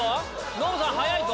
ノブさん早いぞ！